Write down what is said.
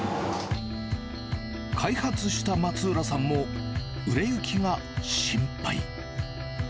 開発した松浦さんも売れ行きが心配。